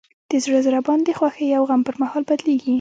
د زړه ضربان د خوښۍ او غم پر مهال بدلېږي.